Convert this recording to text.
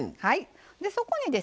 でそこにですね